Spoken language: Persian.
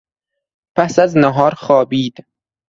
پس از نهار خوابید.